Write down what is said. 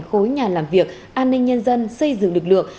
khối nhà làm việc an ninh nhân dân xây dựng lực lượng